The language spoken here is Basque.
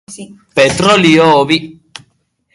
Petrolio hobi garrantzitsuak dira hiritik hurbil.